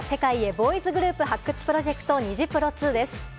ボーイズグループ発掘プロジェクト・ニジプロ２です。